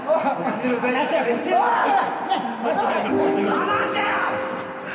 離せよ！